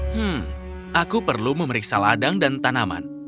hmm aku perlu memeriksa ladang dan tanaman